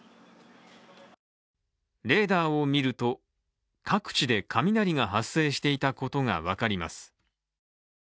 レーダーを見ると各地で雷が発生していたことが分かります。